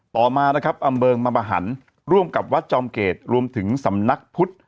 ต่อมานะครับอำเภอมหันร่วมกับวัดจอมเกตรวมถึงสำนักพุทธ